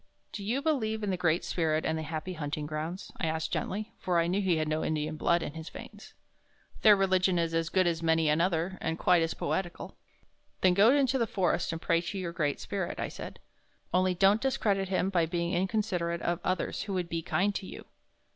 "Do you believe in the Great Spirit and the Happy Hunting Grounds?" I asked gently, for I knew he had no Indian blood in his veins. "Their religion is as good as many another, and quite as poetical." "Then go into the forest and pray to your Great Spirit," I said. "Only don't discredit him by being inconsiderate of others who would be kind to you."